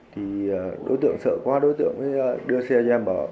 thì đối tượng sợ quá đối tượng đưa xe cho em